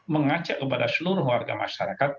mengajak kepada seluruh warga masyarakat